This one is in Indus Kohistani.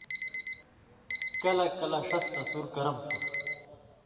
کلہۡ کلہۡ ݜَس تَصُور کَرم تُھو